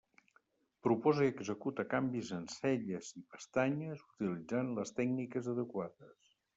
Proposa i executa canvis en celles i pestanyes utilitzant les tècniques adequades.